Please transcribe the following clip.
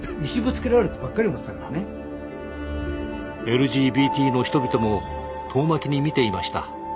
ＬＧＢＴの人々も遠巻きに見ていました。